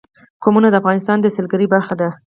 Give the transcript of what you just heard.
قومونه د افغانستان د سیلګرۍ برخه ده.